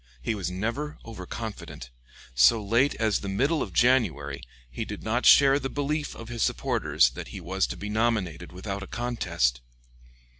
He was never overconfident; so late as the middle of January, he did not share the belief of his supporters that he was to be nominated without a contest.